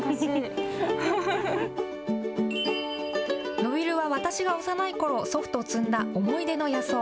ノビルは私が幼いころ、祖父と摘んだ思い出の野草。